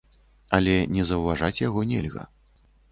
Але не заўважаць яго нельга.